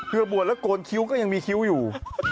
คือบวชแล้วโกนคิ้วก็ยังมีคิ้วอยู่